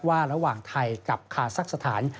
ว่าระหว่างไทยกับคาสักษะฐาน